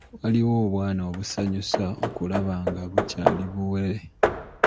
Waliwo obwana obusanyusa okulaba nga bukyali buwere.